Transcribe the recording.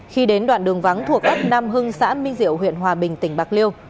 khi đến đoạn đường vắng thuộc ấp nam hưng xã minh diệu huyện hòa bình tỉnh bạc liêu